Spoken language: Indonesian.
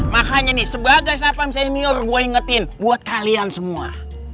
makanya nih sebagai safan senior gue ingetin buat kalian semua